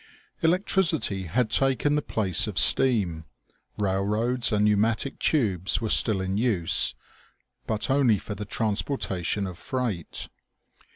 Electricity had taken the place of steam. Railroads and pneumatic tubes were still in use, but only for the transportation of freight.